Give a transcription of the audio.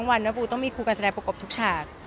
จะไม่ต้องมีครูการแสดงปกปลุ๊กทุกฉาก